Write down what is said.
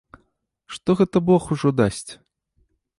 Што гэта бог ужо дасць?